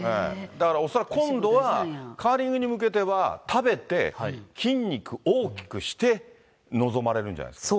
だから恐らく今度は、カーリングに向けては、食べて、筋肉大きくして、臨まれるんじゃないんですか。